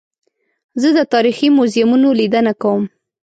زه د تاریخي موزیمونو لیدنه کوم.